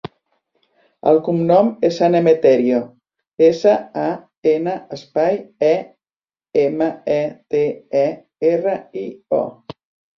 El cognom és San Emeterio: essa, a, ena, espai, e, ema, e, te, e, erra, i, o.